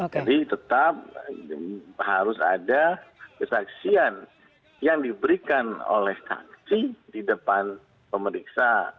jadi tetap harus ada kesaksian yang diberikan oleh taksi di depan pemeriksa